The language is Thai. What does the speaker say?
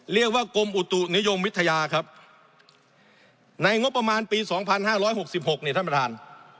เรียกว่ากลมอุตุนิยมวิทยาครับในงบประมาณปีสองพันห้าร้อยหกสิบหกเนี่ยท่านประธาน